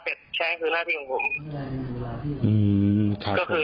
ฝ่าลูกค้าเวลาสั่งของก็ตรวจสอบที่ดี